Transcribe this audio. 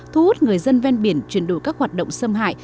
thu hút người dân ven biển chuyển đổi các hoạt động xâm hại